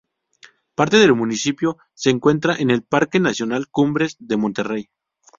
Parte del municipio se encuentra en el Parque Nacional Cumbres de Monterrey.